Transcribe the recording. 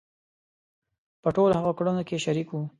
په ټولو هغو کړنو کې شریک وو.